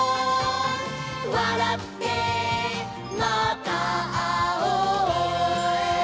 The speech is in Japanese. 「わらってまたあおう」